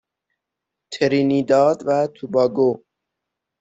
ترینیداد و توباگو